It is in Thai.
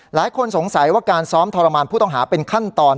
หลายคนสงสัยว่าการซ้อมทรมานผู้ต้องหาเป็นขั้นตอน